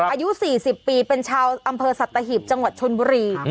อายุ๔๐ปีเป็นชาวอำเภอสัตหีบจังหวัดชนบุรี